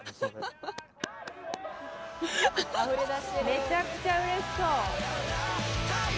めちゃくちゃうれしそう。